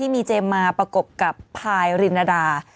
มีเจมส์มาประกบกับพายรินดา